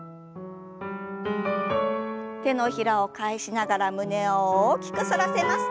手のひらを返しながら胸を大きく反らせます。